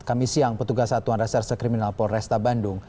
kami siang petugas satuan reserse kriminal polresta bandung